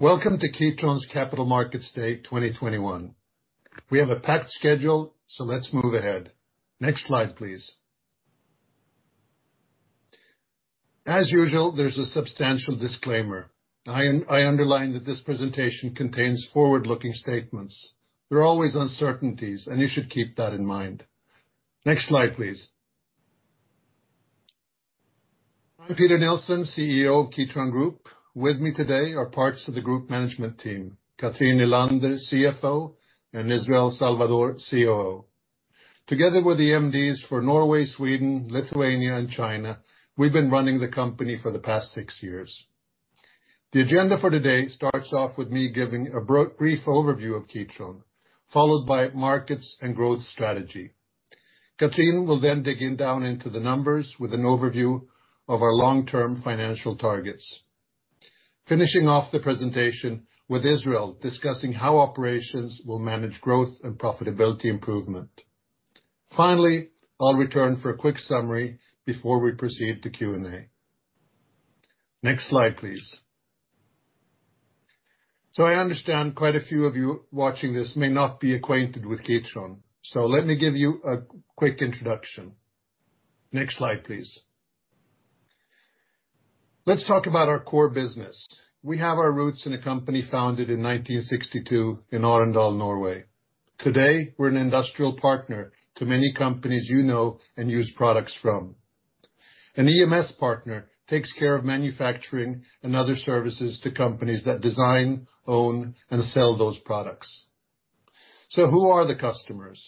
Welcome to Kitron's Capital Markets Day 2021. We have a packed schedule, so let's move ahead. Next slide, please. As usual, there's a substantial disclaimer. I underline that this presentation contains forward-looking statements. There are always uncertainties, and you should keep that in mind. Next slide, please. I'm Peter Nilsson, CEO of Kitron Group. With me today are parts of the group management team, Cathrin Nylander, CFO, and Israel Salvador, COO. Together with the MDs for Norway, Sweden, Lithuania, and China, we've been running the company for the past six years. The agenda for today starts off with me giving a brief overview of Kitron, followed by markets and growth strategy. Cathrin will then dig down into the numbers with an overview of our long-term financial targets. Finishing off the presentation with Israel discussing how operations will manage growth and profitability improvement. Finally, I'll return for a quick summary before we proceed to Q&A. Next slide, please. I understand quite a few of you watching this may not be acquainted with Kitron. Let me give you a quick introduction. Next slide, please. Let's talk about our core business. We have our roots in a company founded in 1962 in Arendal, Norway. Today, we're an industrial partner to many companies you know and use products from. An EMS partner takes care of manufacturing and other services to companies that design, own, and sell those products. Who are the customers?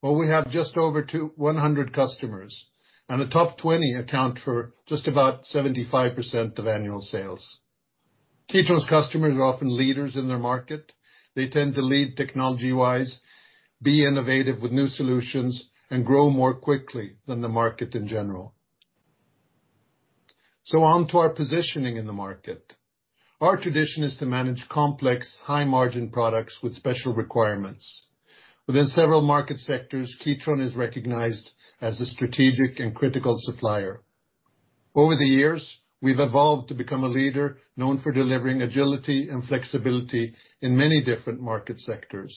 Well, we have just over 100 customers, and the top 20 account for just about 75% of annual sales. Kitron's customers are often leaders in their market. They tend to lead technology-wise, be innovative with new solutions, and grow more quickly than the market in general. Onto our positioning in the market. Our tradition is to manage complex, high-margin products with special requirements. Within several market sectors, Kitron is recognized as a strategic and critical supplier. Over the years, we've evolved to become a leader known for delivering agility and flexibility in many different market sectors.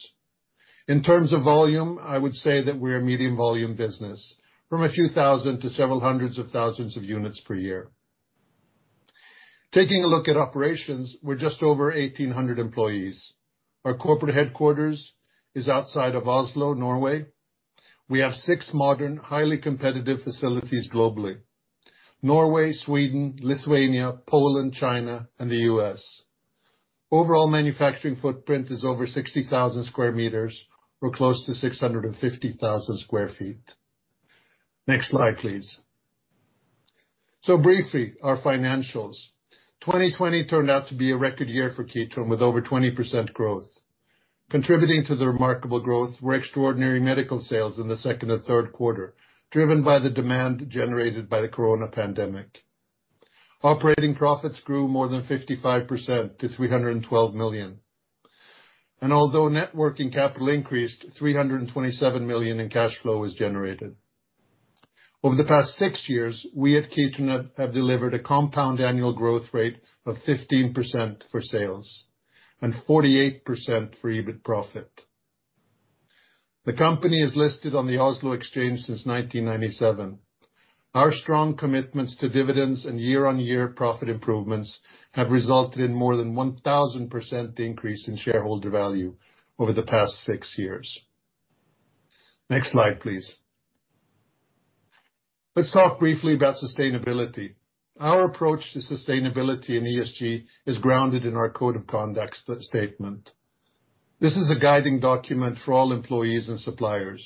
In terms of volume, I would say that we're a medium volume business, from a few thousand to several hundreds of thousands of units per year. Taking a look at operations, we're just over 1,800 employees. Our corporate headquarters is outside of Oslo, Norway. We have six modern, highly competitive facilities globally. Norway, Sweden, Lithuania, Poland, China, and the U.S. Overall manufacturing footprint is over 60,000 square meters or close to 650,000 sq ft. Next slide, please. Briefly, our financials. 2020 turned out to be a record year for Kitron with over 20% growth. Contributing to the remarkable growth were extraordinary medical sales in the second and third quarter, driven by the demand generated by the coronavirus pandemic. Operating profits grew more than 55% to 312 million. Although net working capital increased, 327 million in cash flow was generated. Over the past six years, we at Kitron have delivered a compound annual growth rate of 15% for sales and 48% for EBIT profit. The company is listed on the Oslo Exchange since 1997. Our strong commitments to dividends and year-on-year profit improvements have resulted in more than 1,000% increase in shareholder value over the past six years. Next slide, please. Let's talk briefly about sustainability. Our approach to sustainability and ESG is grounded in our code of conduct statement. This is a guiding document for all employees and suppliers.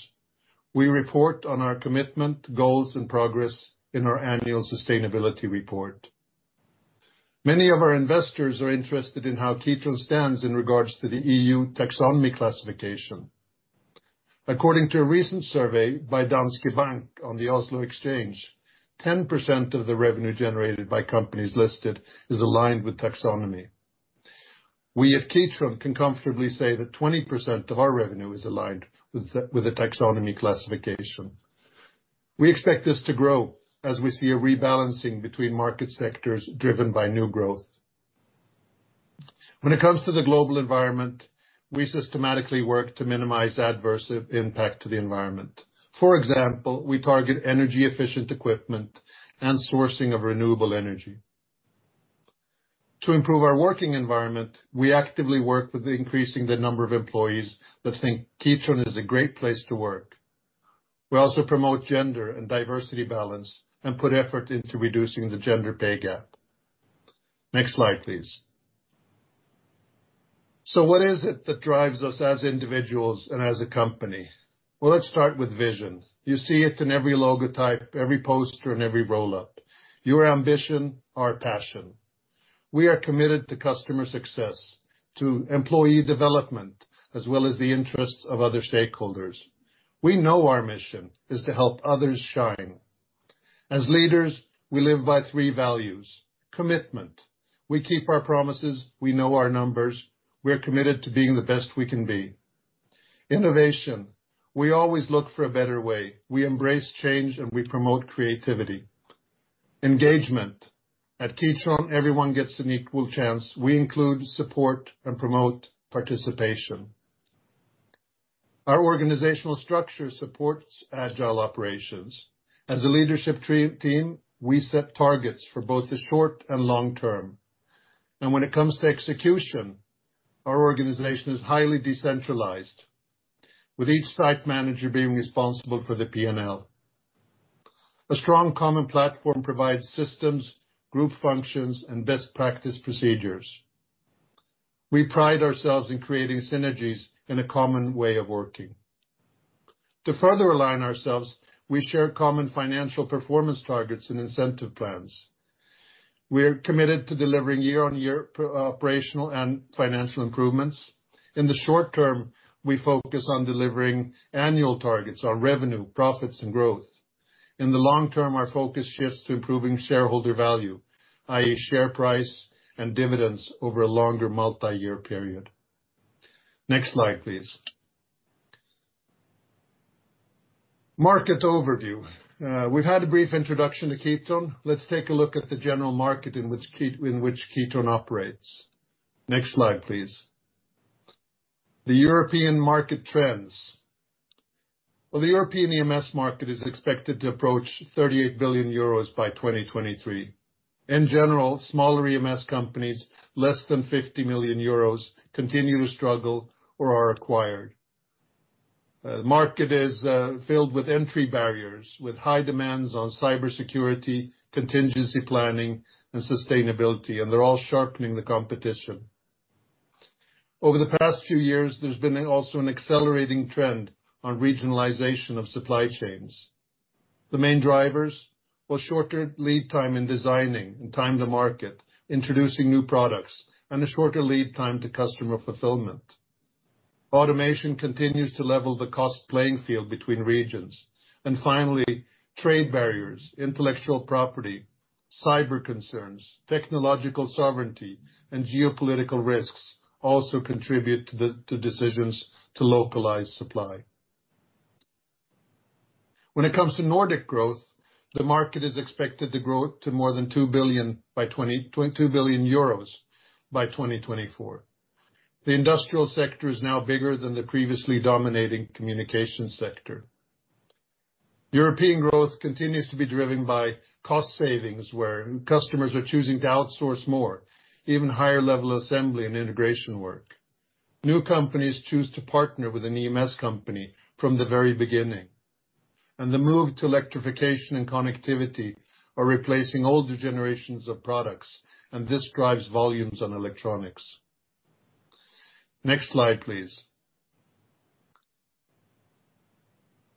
We report on our commitment, goals, and progress in our annual sustainability report. Many of our investors are interested in how Kitron stands in regards to the E.U. taxonomy classification. According to a recent survey by Danske Bank on the Oslo Exchange, 10% of the revenue generated by companies listed is aligned with taxonomy. We at Kitron can comfortably say that 20% of our revenue is aligned with a taxonomy classification. We expect this to grow as we see a rebalancing between market sectors driven by new growth. When it comes to the global environment, we systematically work to minimize adverse impact to the environment. For example, we target energy efficient equipment and sourcing of renewable energy. To improve our working environment, we actively work with increasing the number of employees that think Kitron is a great place to work. We also promote gender and diversity balance and put effort into reducing the gender pay gap. Next slide, please. What is it that drives us as individuals and as a company? Well, let's start with vision. You see it in every logo type, every poster, and every roll-up. Your ambition, our passion. We are committed to customer success, to employee development, as well as the interests of other stakeholders. We know our mission is to help others shine. As leaders, we live by three values. Commitment. We keep our promises, we know our numbers, we're committed to being the best we can be. Innovation. We always look for a better way. We embrace change and we promote creativity. Engagement. At Kitron, everyone gets an equal chance. We include, support, and promote participation. Our organizational structure supports agile operations. As a leadership team, we set targets for both the short and long term. When it comes to execution, our organization is highly decentralized, with each site manager being responsible for the P&L. A strong common platform provides systems, group functions, and best practice procedures. We pride ourselves in creating synergies in a common way of working. To further align ourselves, we share common financial performance targets and incentive plans. We're committed to delivering year-on-year operational and financial improvements. In the short term, we focus on delivering annual targets on revenue, profits, and growth. In the long term, our focus shifts to improving shareholder value, i.e., share price and dividends over a longer multi-year period. Next slide, please. Market overview. We've had a brief introduction to Kitron. Let's take a look at the general market in which Kitron operates. Next slide, please. The European market trends. Well, the European EMS market is expected to approach 38 billion euros by 2023. In general, smaller EMS companies, less than 50 million euros, continue to struggle or are acquired. Market is filled with entry barriers, with high demands on cybersecurity, contingency planning, and sustainability, and they're all sharpening the competition. Over the past few years, there's been also an accelerating trend on regionalization of supply chains. The main drivers were shorter lead time in designing and time to market, introducing new products, and a shorter lead time to customer fulfillment. Automation continues to level the cost playing field between regions. Finally, trade barriers, intellectual property, cyber concerns, technological sovereignty, and geopolitical risks also contribute to decisions to localize supply. When it comes to Nordic growth, the market is expected to grow to more than 2 billion by 2024. The industrial sector is now bigger than the previously dominating communication sector. European growth continues to be driven by cost savings, where customers are choosing to outsource more, even higher level assembly and integration work. New companies choose to partner with an EMS company from the very beginning. The move to electrification and connectivity are replacing older generations of products, and this drives volumes on electronics. Next slide, please.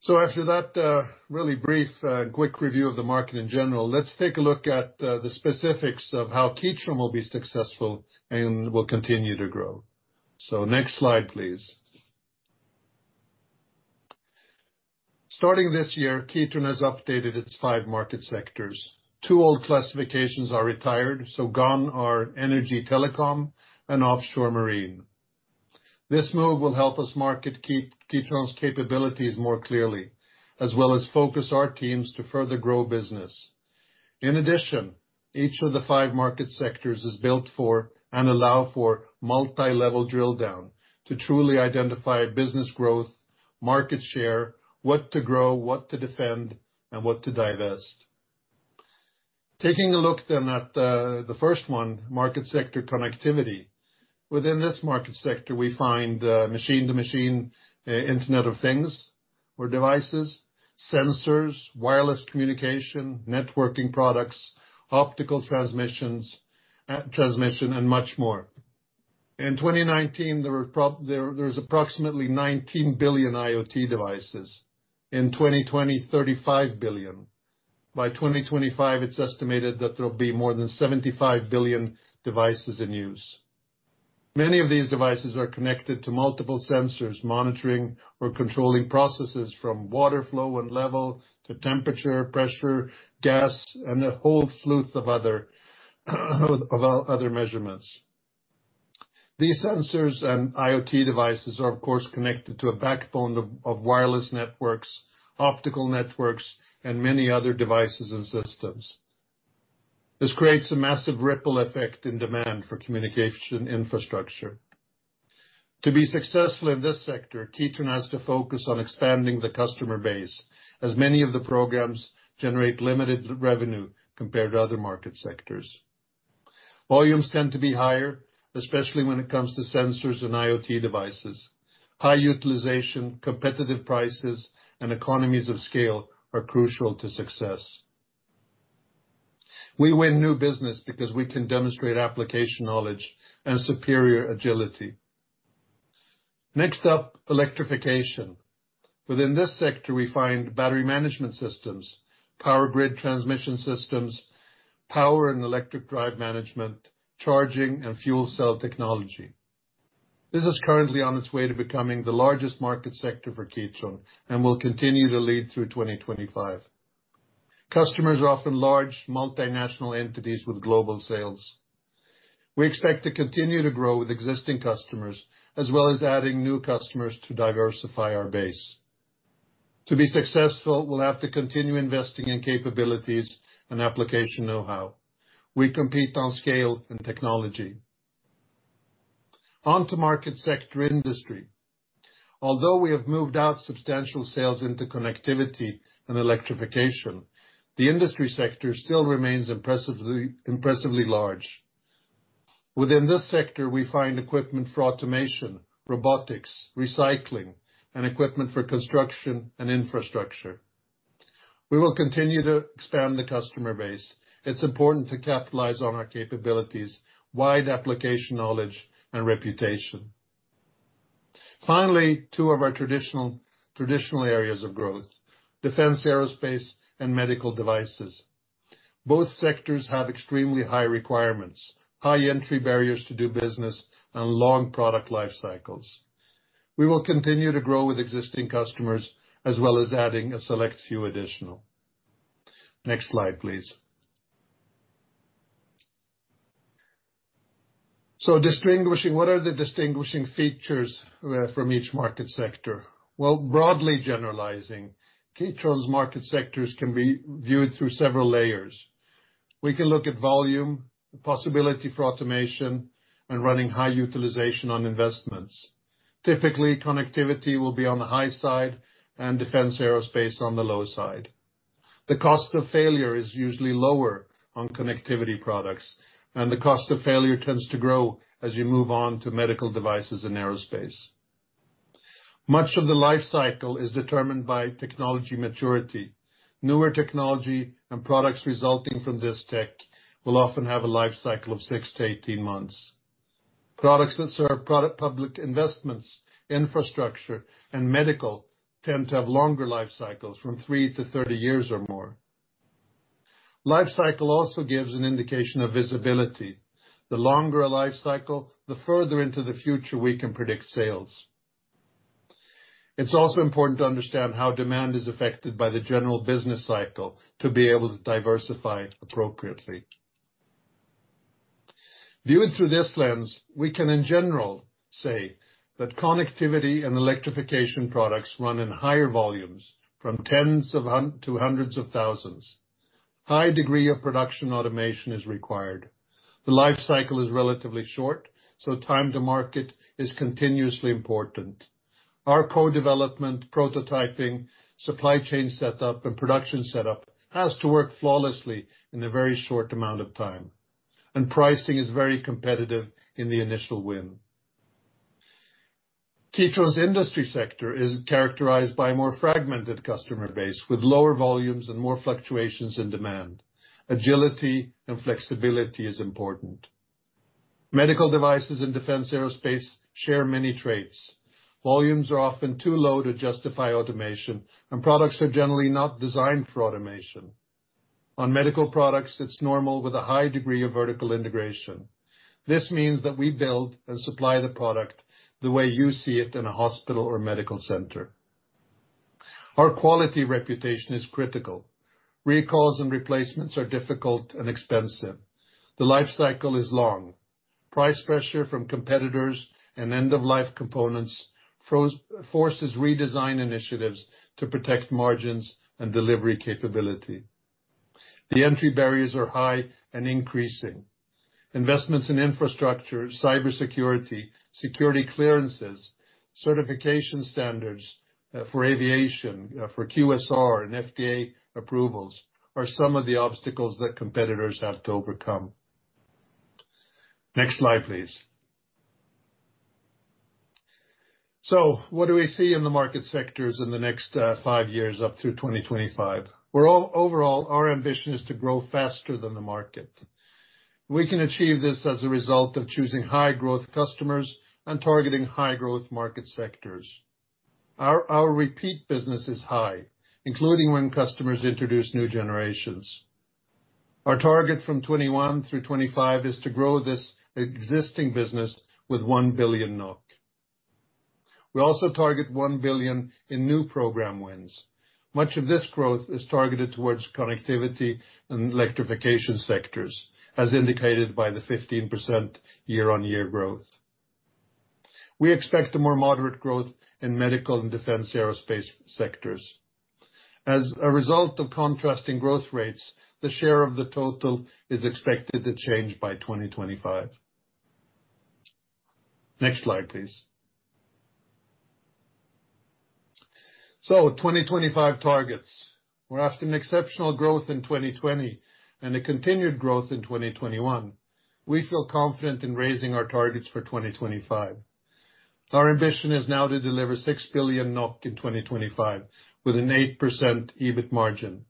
After that really brief, quick review of the market in general, let's take a look at the specifics of how Kitron will be successful and will continue to grow. Next slide, please. Starting this year, Kitron has updated its five market sectors. Two old classifications are retired, so gone are energy telecom and offshore marine. This move will help us market Kitron's capabilities more clearly, as well as focus our teams to further grow business. In addition, each of the five market sectors is built for and allow for multilevel drill down to truly identify business growth, market share, what to grow, what to defend, and what to divest. Taking a look at the first one, market sector connectivity. Within this market sector, we find machine-to-machine, Internet of Things or devices, sensors, wireless communication, networking products, optical transmission, and much more. In 2019, there's approximately 19 billion IoT devices. In 2020, 35 billion. By 2025, it's estimated that there'll be more than 75 billion devices in use. Many of these devices are connected to multiple sensors, monitoring or controlling processes from water flow and level to temperature, pressure, gas, and a whole sleuth of other measurements. These sensors and IoT devices are, of course, connected to a backbone of wireless networks, optical networks, and many other devices and systems. This creates a massive ripple effect in demand for communication infrastructure. To be successful in this sector, Kitron has to focus on expanding the customer base, as many of the programs generate limited revenue compared to other market sectors. Volumes tend to be higher, especially when it comes to sensors and IoT devices. High utilization, competitive prices, and economies of scale are crucial to success. We win new business because we can demonstrate application knowledge and superior agility. Next up, electrification. Within this sector, we find battery management systems, power grid transmission systems, power and electric drive management, charging and fuel cell technology. This is currently on its way to becoming the largest market sector for Kitron and will continue to lead through 2025. Customers are often large multinational entities with global sales. We expect to continue to grow with existing customers, as well as adding new customers to diversify our base. To be successful, we'll have to continue investing in capabilities and application know-how. We compete on scale and technology. Onto market sector industry. Although we have moved out substantial sales into connectivity and electrification, the industry sector still remains impressively large. Within this sector, we find equipment for automation, robotics, recycling, and equipment for construction and infrastructure. We will continue to expand the customer base. It's important to capitalize on our capabilities, wide application knowledge, and reputation. Finally, two of our traditional areas of growth, defense, aerospace, and medical devices. Both sectors have extremely high requirements, high entry barriers to do business, and long product life cycles. We will continue to grow with existing customers as well as adding a select few additional. Next slide, please. What are the distinguishing features from each market sector? Broadly generalizing, Kitron's market sectors can be viewed through several layers. We can look at volume, the possibility for automation, and running high utilization on investments. Typically, connectivity will be on the high side, and defense aerospace on the low side. The cost of failure is usually lower on connectivity products, and the cost of failure tends to grow as you move on to medical devices and aerospace. Much of the life cycle is determined by technology maturity. Newer technology and products resulting from this tech will often have a life cycle of 6-18 months. Products that serve public investments, infrastructure, and medical tend to have longer life cycles from 3-30 years or more. Life cycle also gives an indication of visibility. The longer a life cycle, the further into the future we can predict sales. It's also important to understand how demand is affected by the general business cycle to be able to diversify appropriately. Viewing through this lens, we can, in general, say that connectivity and electrification products run in higher volumes from tens to hundreds of thousands. High degree of production automation is required. The life cycle is relatively short. Time to market is continuously important. Our co-development, prototyping, supply chain setup, and production setup has to work flawlessly in a very short amount of time. Pricing is very competitive in the initial win. Kitron's industry sector is characterized by a more fragmented customer base with lower volumes and more fluctuations in demand. Agility and flexibility is important. Medical devices and defense aerospace share many traits. Volumes are often too low to justify automation, and products are generally not designed for automation. On medical products, it's normal with a high degree of vertical integration. This means that we build and supply the product the way you see it in a hospital or medical center. Our quality reputation is critical. Recalls and replacements are difficult and expensive. The life cycle is long. Price pressure from competitors and end-of-life components forces redesign initiatives to protect margins and delivery capability. The entry barriers are high and increasing. Investments in infrastructure, cybersecurity, security clearances, certification standards for aviation, for QSR and FDA approvals are some of the obstacles that competitors have to overcome. Next slide, please. What do we see in the market sectors in the next five years up through 2025? Well, overall, our ambition is to grow faster than the market. We can achieve this as a result of choosing high-growth customers and targeting high-growth market sectors. Our repeat business is high, including when customers introduce new generations. Our target from 2021 through 2025 is to grow this existing business with 1 billion NOK. We also target 1 billion in new program wins. Much of this growth is targeted towards connectivity and electrification sectors, as indicated by the 15% year-on-year growth. We expect a more moderate growth in medical and defense aerospace sectors. As a result of contrasting growth rates, the share of the total is expected to change by 2025. Next slide, please. 2025 targets. Well, after an exceptional growth in 2020 and a continued growth in 2021, we feel confident in raising our targets for 2025. Our ambition is now to deliver 6 billion NOK in 2025 with an 8% EBIT margin.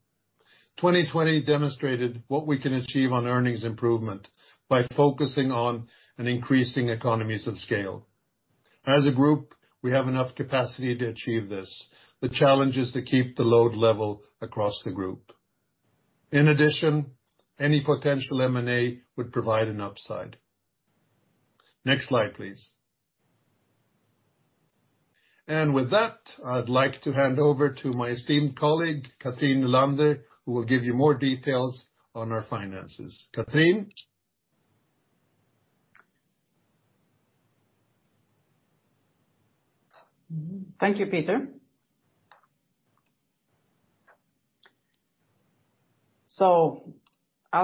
2020 demonstrated what we can achieve on earnings improvement by focusing on an increasing economies of scale. As a group, we have enough capacity to achieve this. The challenge is to keep the load level across the group. In addition, any potential M&A would provide an upside. Next slide, please. With that, I'd like to hand over to my esteemed colleague, Cathrin Nylander, who will give you more details on our finances. Cathrin? Thank you, Peter. I'll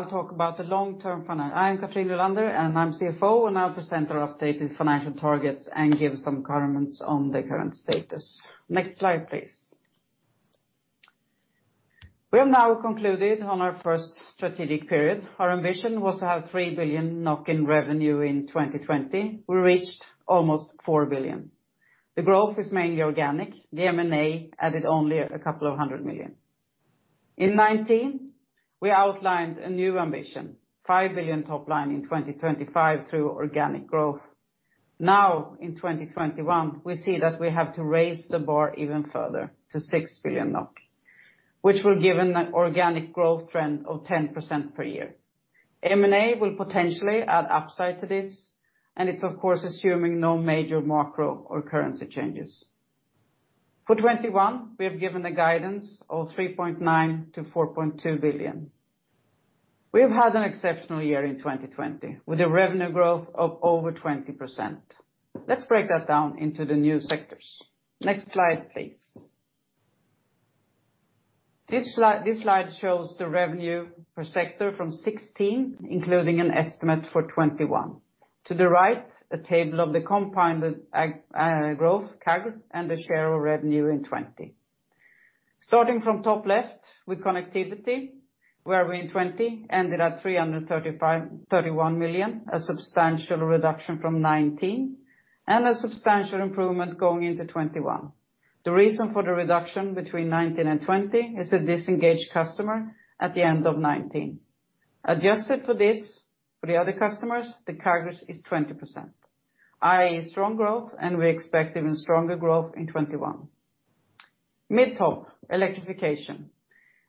talk about the long-term. I am Cathrin Nylander, and I'm CFO, and I'll present our updated financial targets and give some comments on the current status. Next slide, please. We have now concluded on our first strategic period. Our ambition was to have 3 billion NOK in revenue in 2020. We reached almost 4 billion. The growth is mainly organic. The M&A added only a 200 million. In 2019, we outlined a new ambition, 5 billion top line in 2025 through organic growth. Now, in 2021, we see that we have to raise the bar even further to 6 billion NOK, which will give an organic growth trend of 10% per year. M&A will potentially add upside to this, and it's, of course, assuming no major macro or currency changes. For 2021, we have given a guidance of 3.9 billion-4.2 billion. We have had an exceptional year in 2020, with a revenue growth of over 20%. Let's break that down into the new sectors. Next slide, please. This slide shows the revenue per sector from 2016, including an estimate for 2021. To the right, a table of the compounded growth, CAGR, and the share of revenue in 2020. Starting from top left with connectivity, where we in 2020 ended at 331 million, a substantial reduction from 2019, and a substantial improvement going into 2021. Adjusted for this, for the other customers, the CAGR is 20%, i.e., strong growth, and we expect even stronger growth in 2021. Mid top, electrification.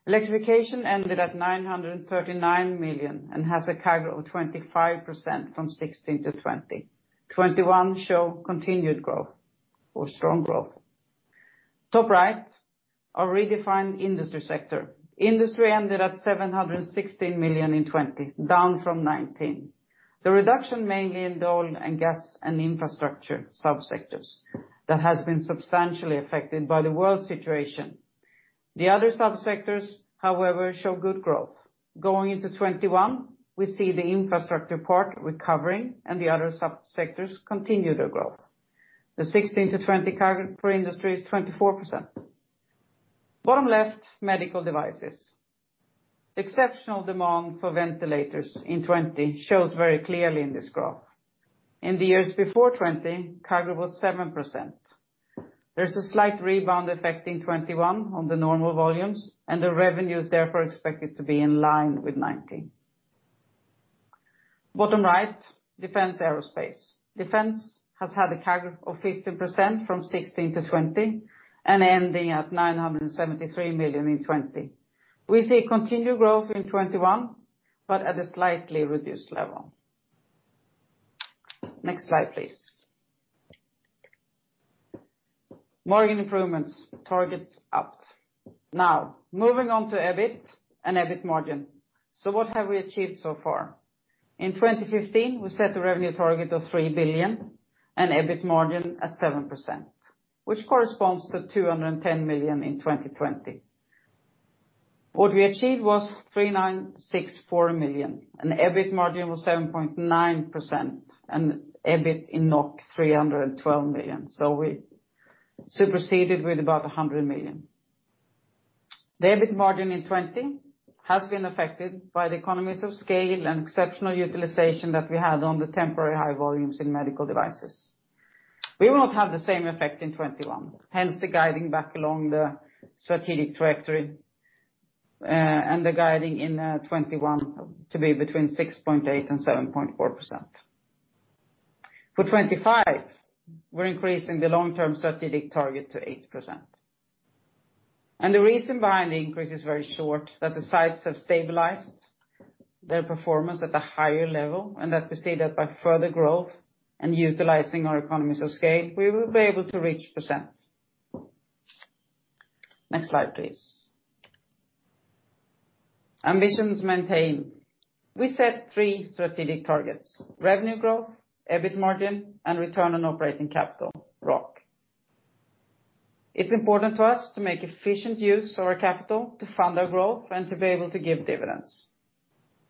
Electrification ended at 939 million and has a CAGR of 25% from 2016 to 2020. 2021 show continued growth or strong growth. Top right, our redefined industry sector. Industry ended at 716 million in 2020, down from 2019. The reduction mainly in oil and gas and infrastructure subsectors that has been substantially affected by the world situation. The other subsectors, however, show good growth. Going into 2021, we see the infrastructure part recovering and the other subsectors continue their growth. The 2016-2020 CAGR per industry is 24%. Bottom left, medical devices. Exceptional demand for ventilators in 2020 shows very clearly in this graph. In the years before 2020, CAGR was 7%. There's a slight rebound effect in 2021 on the normal volumes, and the revenue is therefore expected to be in line with 2019. Bottom right, defense aerospace. Defense has had a CAGR of 15% from 2016-2020 and ending at 973 million in 2020. We see continued growth in 2021, but at a slightly reduced level. Next slide, please. Margin improvements. Targets upped. Moving on to EBIT and EBIT margin. What have we achieved so far? In 2015, we set a revenue target of 3 billion and EBIT margin at 7%, which corresponds to 210 million in 2020. What we achieved was 3,964 million, and the EBIT margin was 7.9% and EBIT in 312 million. We superseded with about 100 million. The EBIT margin in 2020 has been affected by the economies of scale and exceptional utilization that we had on the temporary high volumes in medical devices. We will not have the same effect in 2021, hence the guiding back along the strategic trajectory, and the guiding in 2021 to be between 6.8% and 7.4%. For 2025, we're increasing the long-term strategic target to 8%. The reason behind the increase is very short, that the sites have stabilized their performance at a higher level, and that we see that by further growth and utilizing our economies of scale, we will be able to reach percent. Next slide, please. Ambitions maintained. We set three strategic targets, revenue growth, EBIT margin, and return on operating capital, ROOC. It's important for us to make efficient use of our capital to fund our growth and to be able to give dividends.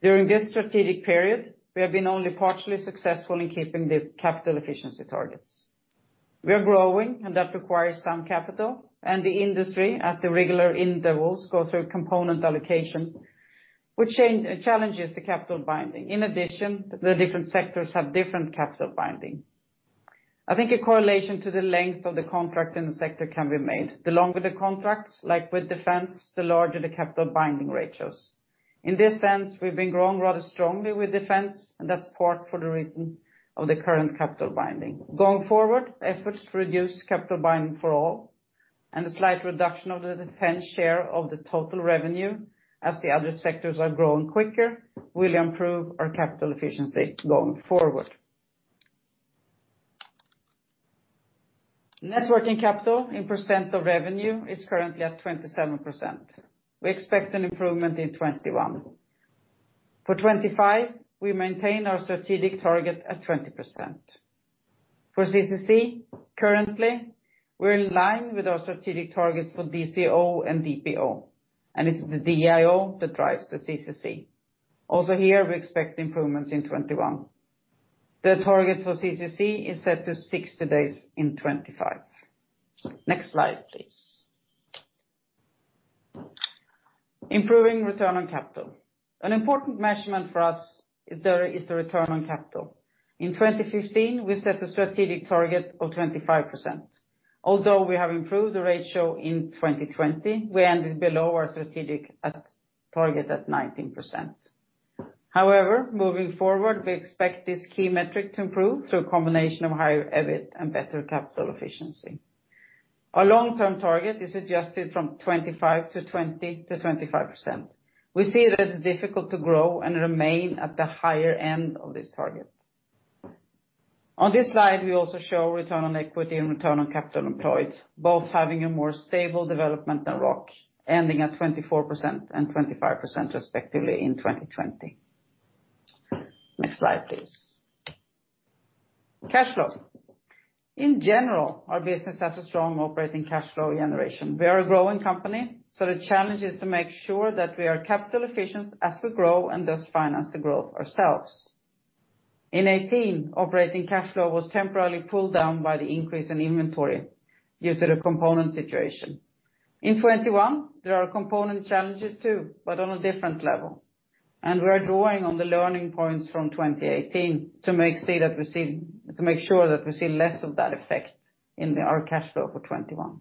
During this strategic period, we have been only partially successful in keeping the capital efficiency targets. We are growing, and that requires some capital, and the industry, at the regular intervals, go through component allocation, which challenges the capital binding. In addition, the different sectors have different capital binding. I think a correlation to the length of the contracts in the sector can be made. The longer the contracts, like with defense, the larger the capital binding ratios. In this sense, we've been growing rather strongly with defense, and that's part for the reason of the current capital binding. Going forward, efforts to reduce capital binding for all. A slight reduction of the defense share of the total revenue, as the other sectors are growing quicker, will improve our capital efficiency going forward. Networking capital in percent of revenue is currently at 27%. We expect an improvement in 2021. For 2025, we maintain our strategic target at 20%. For CCC, currently, we're in line with our strategic targets for DCO and DPO, and it is the DIO that drives the CCC. Also here, we expect improvements in 2021. The target for CCC is set to 60 days in 2025. Next slide, please. Improving return on capital. An important measurement for us is the return on capital. In 2015, we set a strategic target of 25%. Although we have improved the ratio in 2020, we ended below our strategic target at 19%. Moving forward, we expect this key metric to improve through a combination of higher EBIT and better capital efficiency. Our long-term target is adjusted from 20%-25%. We see that it's difficult to grow and remain at the higher end of this target. On this slide, we also show return on equity and return on capital employed, both having a more stable development than ROOC, ending at 24% and 25%, respectively, in 2020. Next slide, please. Cash flow. In general, our business has a strong operating cash flow generation. We are a growing company. The challenge is to make sure that we are capital efficient as we grow and thus finance the growth ourselves. In 2018, operating cash flow was temporarily pulled down by the increase in inventory due to the component situation. In 2021, there are component challenges too, but on a different level, and we're drawing on the learning points from 2018 to make sure that we see less of that effect in our cash flow for 2021.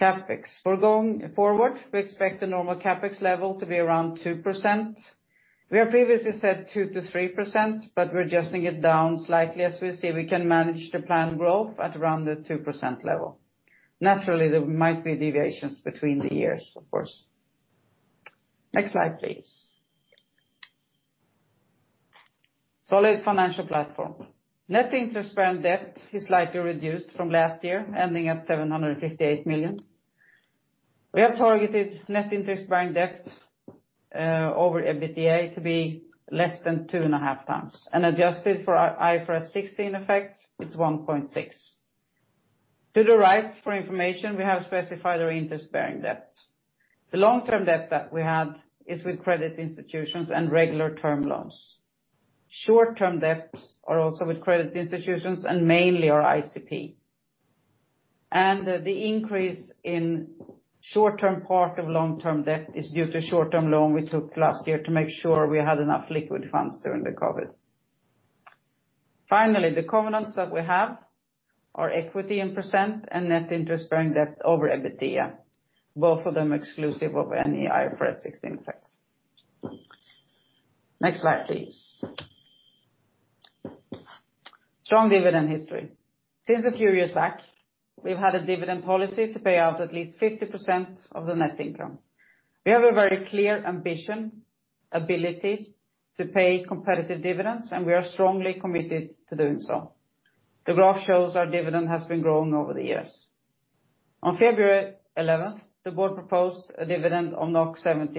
CapEx. Going forward, we expect the normal CapEx level to be around 2%. We have previously said 2%-3%, but we're adjusting it down slightly as we see we can manage the planned growth at around the 2% level. Naturally, there might be deviations between the years, of course. Next slide, please. Solid financial platform. Net interest bearing debt is slightly reduced from last year, ending at 758 million. We have targeted net interest bearing debt over EBITDA to be less than 2.5x, and adjusted for our IFRS 16 effects, it's 1.6x. To the right, for information, we have specified our interest bearing debt. The long-term debt that we have is with credit institutions and regular term loans. Short-term debts are also with credit institutions and mainly our ICP. The increase in short-term part of long-term debt is due to short-term loan we took last year to make sure we had enough liquid funds during the COVID. Finally, the covenants that we have are equity and percent and net interest bearing debt over EBITDA, both of them exclusive of any IFRS 16 effects. Next slide, please. Strong dividend history. Since a few years back, we've had a dividend policy to pay out at least 50% of the net income. We have a very clear ambition, ability to pay competitive dividends, and we are strongly committed to doing so. The graph shows our dividend has been growing over the years. On February 11th, the board proposed a dividend of NOK 70,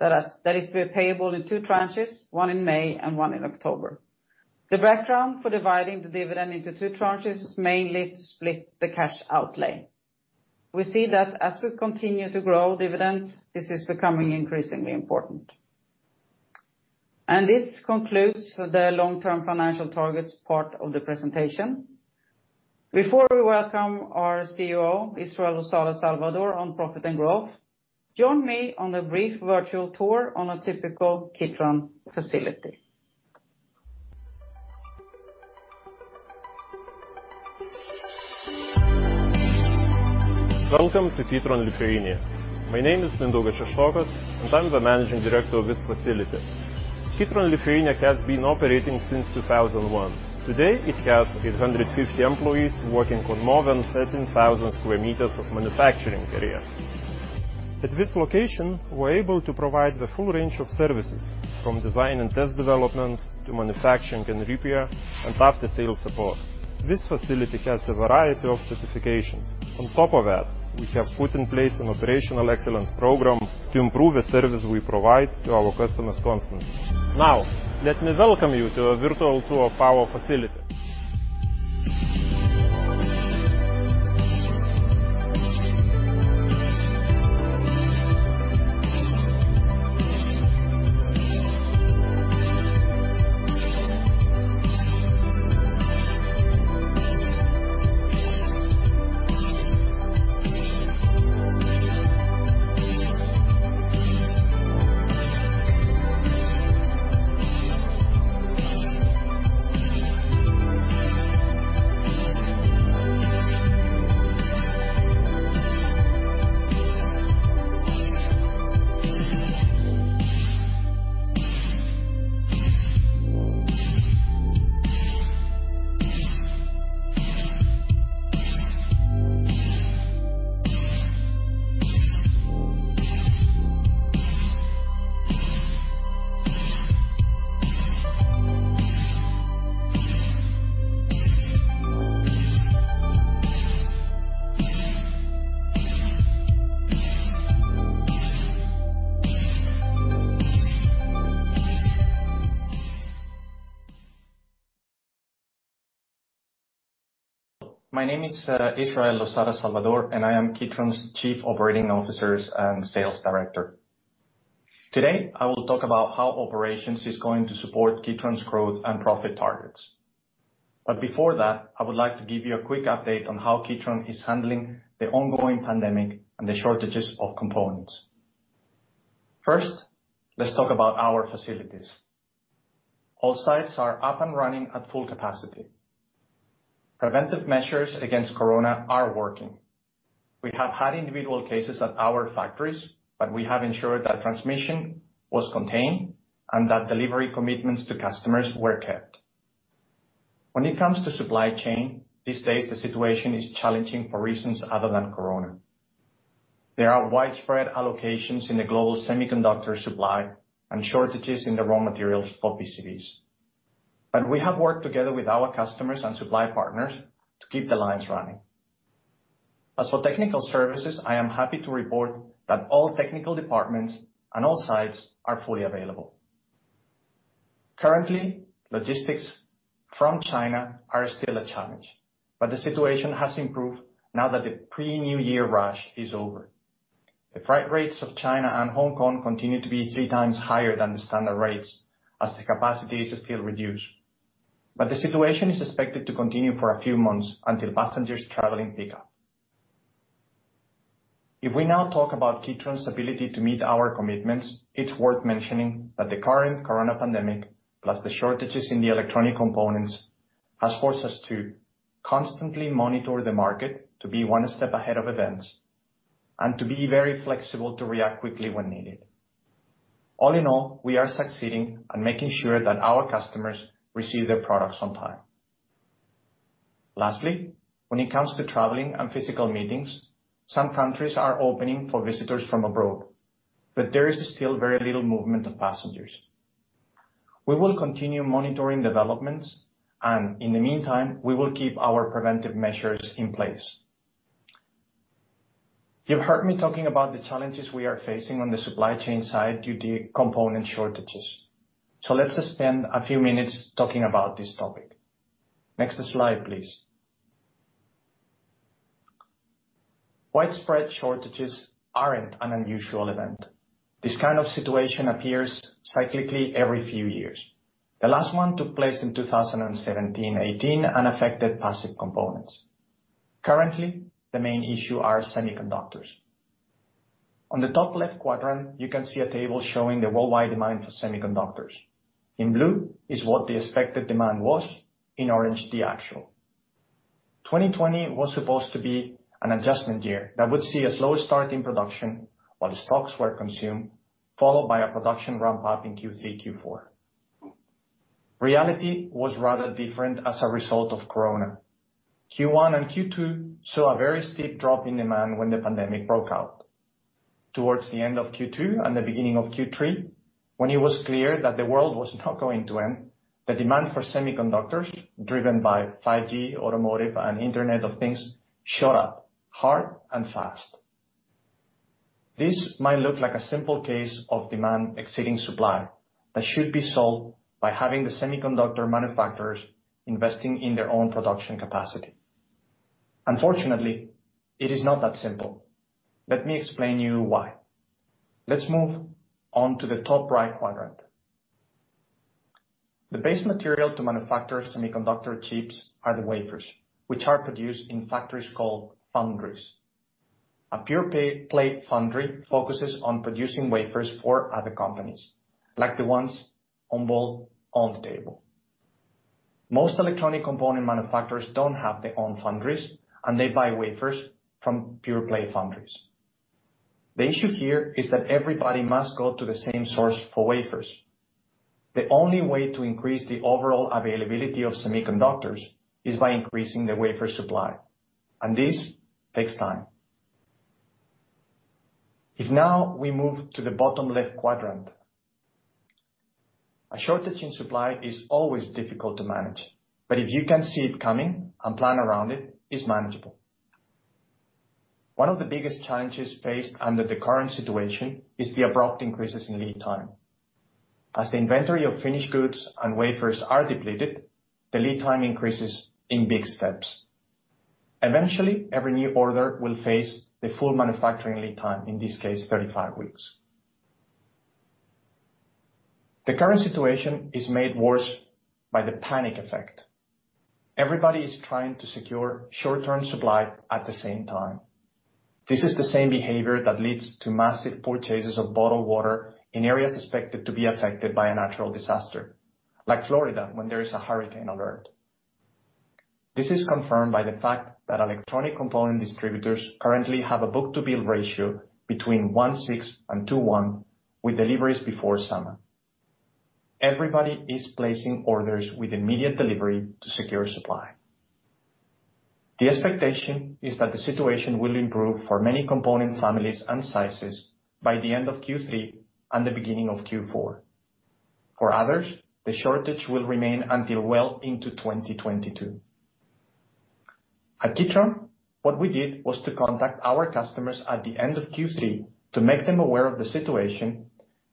that is to be payable in two tranches, one in May and one in October. The background for dividing the dividend into two tranches is mainly to split the cash outlay. We see that as we continue to grow dividends, this is becoming increasingly important. This concludes the long-term financial targets part of the presentation. Before we welcome our COO, Israel Losada Salvador, on profit and growth, join me on a brief virtual tour on a typical Kitron facility. Welcome to Kitron Lithuania. My name is Mindaugas Sestokas, and I'm the managing director of this facility. Kitron Lithuania has been operating since 2001. Today, it has 850 employees working on more than 13,000 sq m of manufacturing area. At this location, we're able to provide the full range of services, from design and test development to manufacturing and repair and after-sales support. This facility has a variety of certifications. On top of that, we have put in place an operational excellence program to improve the service we provide to our customers constantly. Let me welcome you to a virtual tour of our facility. My name is Israel Losada Salvador, and I am Kitron's Chief Operating Officer and Sales Director. Today, I will talk about how operations is going to support Kitron's growth and profit targets. Before that, I would like to give you a quick update on how Kitron is handling the ongoing pandemic and the shortages of components. First, let's talk about our facilities. All sites are up and running at full capacity. Preventive measures against corona are working. We have had individual cases at our factories, but we have ensured that transmission was contained and that delivery commitments to customers were kept. When it comes to supply chain, these days the situation is challenging for reasons other than corona. There are widespread allocations in the global semiconductor supply and shortages in the raw materials for PCBs. We have worked together with our customers and supply partners to keep the lines running. As for technical services, I am happy to report that all technical departments and all sites are fully available. Currently, logistics from China are still a challenge, but the situation has improved now that the pre-New Year rush is over. The freight rates of China and Hong Kong continue to be three times higher than the standard rates as the capacity is still reduced. The situation is expected to continue for a few months until passengers traveling pick up. If we now talk about Kitron's ability to meet our commitments, it's worth mentioning that the current corona pandemic, plus the shortages in the electronic components, has forced us to constantly monitor the market to be one step ahead of events and to be very flexible to react quickly when needed. All in all, we are succeeding and making sure that our customers receive their products on time. Lastly, when it comes to traveling and physical meetings, some countries are opening for visitors from abroad, but there is still very little movement of passengers. We will continue monitoring developments and, in the meantime, we will keep our preventive measures in place. You've heard me talking about the challenges we are facing on the supply chain side due to component shortages. Let's just spend a few minutes talking about this topic. Next slide, please. Widespread shortages aren't an unusual event. This kind of situation appears cyclically every few years. The last one took place in 2017-2018 and affected passive components. Currently, the main issue are semiconductors. On the top left quadrant, you can see a table showing the worldwide demand for semiconductors. In blue is what the expected demand was, in orange, the actual. 2020 was supposed to be an adjustment year that would see a slow start in production while stocks were consumed, followed by a production ramp-up in Q3, Q4. Reality was rather different as a result of Corona. Q1 and Q2 saw a very steep drop in demand when the pandemic broke out. Towards the end of Q2 and the beginning of Q3, when it was clear that the world was not going to end, the demand for semiconductors, driven by 5G, automotive, and Internet of Things, shot up hard and fast. This might look like a simple case of demand exceeding supply that should be solved by having the semiconductor manufacturers investing in their own production capacity. Unfortunately, it is not that simple. Let me explain you why. Let's move on to the top right quadrant. The base material to manufacture semiconductor chips are the wafers, which are produced in factories called foundries. A pure-play foundry focuses on producing wafers for other companies, like the ones involved on the table. Most electronic component manufacturers don't have their own foundries, and they buy wafers from pure-play foundries. The issue here is that everybody must go to the same source for wafers. The only way to increase the overall availability of semiconductors is by increasing the wafer supply, and this takes time. If now we move to the bottom left quadrant. A shortage in supply is always difficult to manage, but if you can see it coming and plan around it's manageable. One of the biggest challenges faced under the current situation is the abrupt increases in lead time. As the inventory of finished goods and wafers are depleted, the lead time increases in big steps. Eventually, every new order will face the full manufacturing lead time, in this case, 35 weeks. The current situation is made worse by the panic effect. Everybody is trying to secure short-term supply at the same time. This is the same behavior that leads to massive purchases of bottled water in areas expected to be affected by a natural disaster, like Florida when there is a hurricane alert. This is confirmed by the fact that electronic component distributors currently have a book-to-bill ratio between 1.6 and 2.1 with deliveries before summer. Everybody is placing orders with immediate delivery to secure supply. The expectation is that the situation will improve for many component families and sizes by the end of Q3 and the beginning of Q4. For others, the shortage will remain until well into 2022. At Kitron, what we did was to contact our customers at the end of Q3 to make them aware of the situation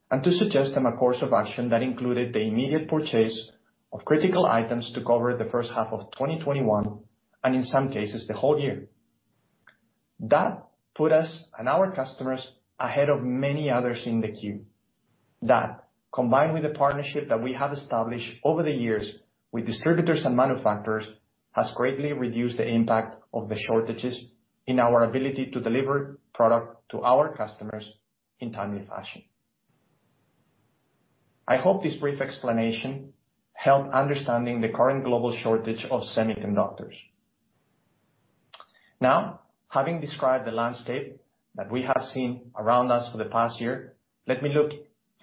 and to suggest them a course of action that included the immediate purchase of critical items to cover the first half of 2021, and in some cases, the whole year. That put us and our customers ahead of many others in the queue. That, combined with the partnership that we have established over the years with distributors and manufacturers, has greatly reduced the impact of the shortages in our ability to deliver product to our customers in a timely fashion. I hope this brief explanation helped understanding the current global shortage of semiconductors. Now, having described the landscape that we have seen around us for the past year, let me look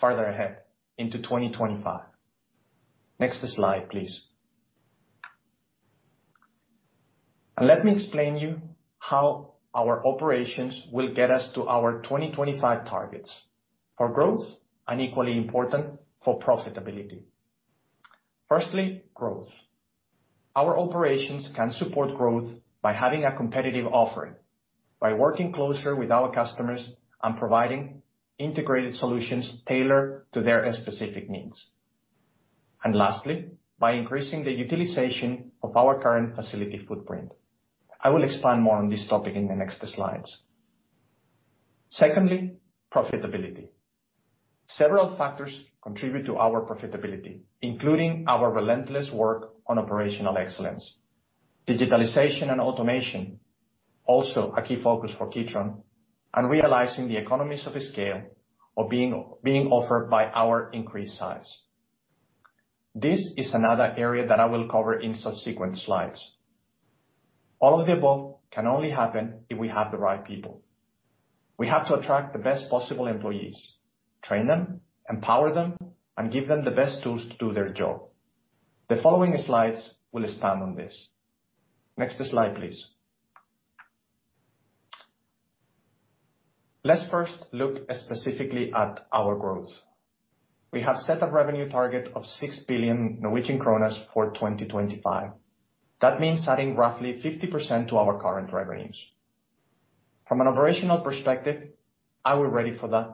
farther ahead into 2025. Next slide, please. Let me explain you how our operations will get us to our 2025 targets for growth and equally important, for profitability. Firstly, growth. Our operations can support growth by having a competitive offering, by working closer with our customers and providing integrated solutions tailored to their specific needs. Lastly, by increasing the utilization of our current facility footprint. I will expand more on this topic in the next slides. Secondly, profitability. Several factors contribute to our profitability, including our relentless work on operational excellence, digitalization and automation, also a key focus for Kitron, and realizing the economies of scale being offered by our increased size. This is another area that I will cover in subsequent slides. All of the above can only happen if we have the right people. We have to attract the best possible employees, train them, empower them, and give them the best tools to do their job. The following slides will expand on this. Next slide, please. Let's first look specifically at our growth. We have set a revenue target of 6 billion Norwegian kroner for 2025. That means adding roughly 50% to our current revenues. From an operational perspective, are we ready for that?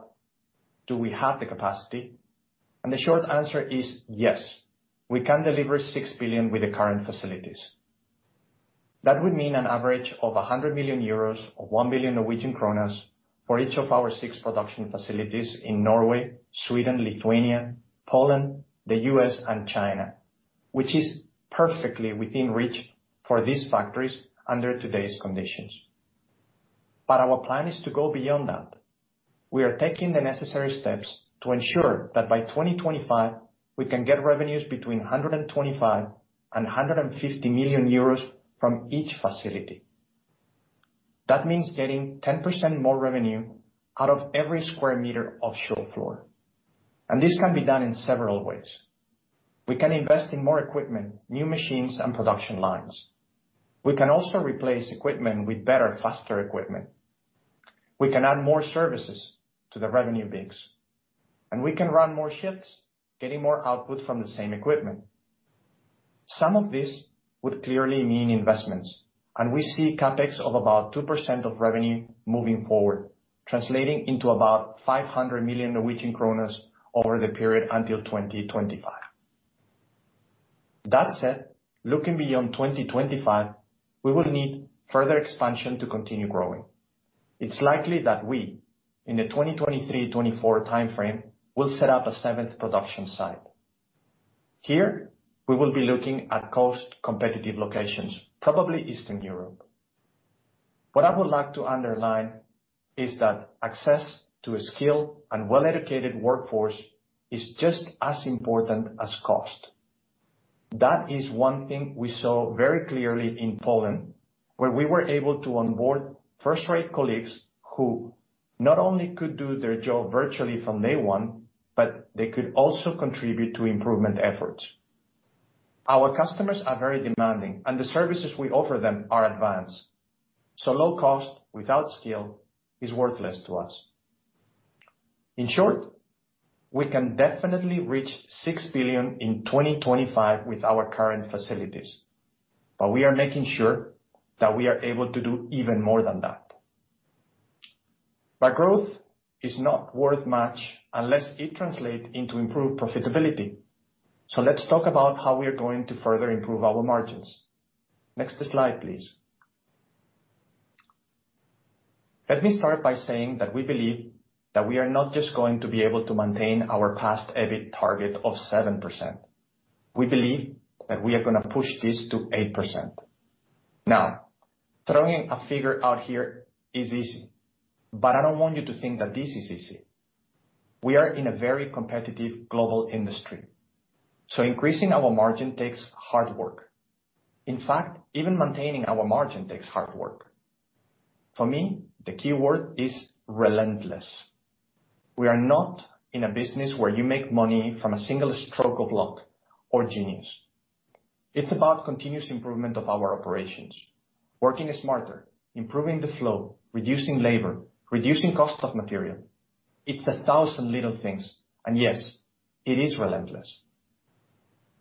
Do we have the capacity? The short answer is yes. We can deliver 6 billion with the current facilities. That would mean an average of 100 million euros or 1 billion Norwegian kroner for each of our six production facilities in Norway, Sweden, Lithuania, Poland, the U.S., and China, which is perfectly within reach for these factories under today's conditions. Our plan is to go beyond that. We are taking the necessary steps to ensure that by 2025, we can get revenues between 125 million euros and 150 million euros from each facility. That means getting 10% more revenue out of every square meter of show floor. This can be done in several ways. We can invest in more equipment, new machines, and production lines. We can also replace equipment with better, faster equipment. We can add more services to the revenue mix, and we can run more shifts, getting more output from the same equipment. Some of this would clearly mean investments, and we see CapEx of about 2% of revenue moving forward, translating into about 500 million Norwegian kroner over the period until 2025. That said, looking beyond 2025, we will need further expansion to continue growing. It's likely that we, in the 2023/2024 time frame, will set up a seventh production site. Here, we will be looking at cost-competitive locations, probably Eastern Europe. What I would like to underline is that access to a skilled and well-educated workforce is just as important as cost. That is one thing we saw very clearly in Poland, where we were able to onboard first-rate colleagues who not only could do their job virtually from day one, but they could also contribute to improvement efforts. Our customers are very demanding, and the services we offer them are advanced. Low cost without skill is worthless to us. In short, we can definitely reach 6 billion in 2025 with our current facilities, we are making sure that we are able to do even more than that. Growth is not worth much unless it translates into improved profitability. Let's talk about how we are going to further improve our margins. Next slide, please. Let me start by saying that we believe that we are not just going to be able to maintain our past EBIT target of 7%. We believe that we are going to push this to 8%. Throwing a figure out here is easy. I don't want you to think that this is easy. We are in a very competitive global industry. Increasing our margin takes hard work. In fact, even maintaining our margin takes hard work. For me, the key word is relentless. We are not in a business where you make money from a single stroke of luck or genius. It's about continuous improvement of our operations, working smarter, improving the flow, reducing labor, reducing cost of material. It's a thousand little things, and yes, it is relentless.